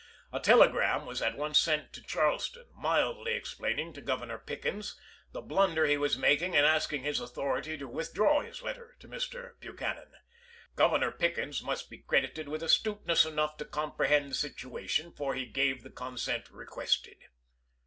A telegram was at once sent to Charleston, mildly explaining to Gov ernor Pickens the blunder he was making and ask ing his authority to withdraw his letter to Mr. Buchanan. Governor Pickens must be credited with astuteness enough to comprehend the situa tion, for he gave the consent requested.